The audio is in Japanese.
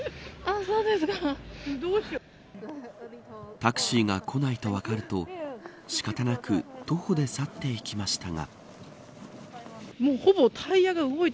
タクシーが来ないと分かると仕方なく徒歩で去っていきましたが。